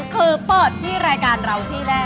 คือเปิดที่รายการเราที่แรก